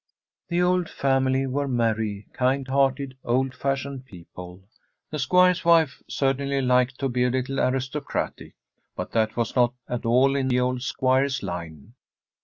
The old family were merry, kind hearted, old fashioned people. The Squire's wife certainly liked to be a little aristocratic ; but that was not at all in the old Squire's line.